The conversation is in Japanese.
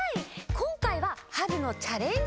こんかいは「春のチャレンジ！